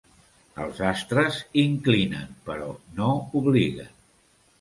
Els astres inclinen, però no obliguen.